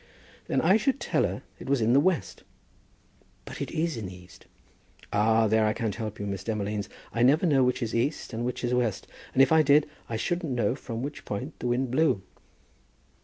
"Then I should tell her it was in the west." "But it is in the east." "Ah, there I can't help you, Miss Demolines. I never know which is east, and which west; and if I did, I shouldn't know from which point the wind blew."